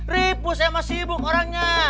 ripus emang sibuk orangnya